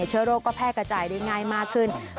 เชื้อโรคก็แพร่กระจายได้ง่ายมากขึ้น